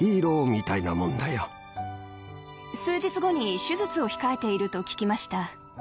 数日後に手術を控えていると聞きました。